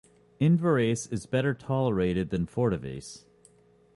Invirase is better tolerated than Fortovase.